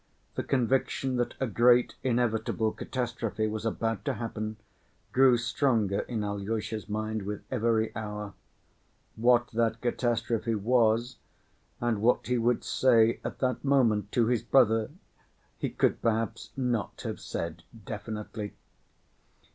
The conviction that a great inevitable catastrophe was about to happen grew stronger in Alyosha's mind with every hour. What that catastrophe was, and what he would say at that moment to his brother, he could perhaps not have said definitely.